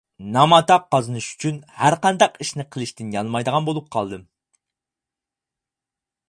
نام-ئاتاق قازىنىش ئۈچۈن ھەرقانداق ئىشنى قىلىشتىن يانمايدىغان بولۇپ قالدىم.